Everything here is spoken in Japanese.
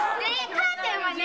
カーテンはね」